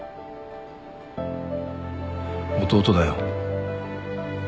弟だよ。